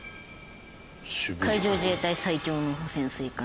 海上自衛隊最強の潜水艦。